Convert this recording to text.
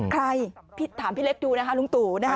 ใครถามพี่เล็กดูนะคะลุงตู่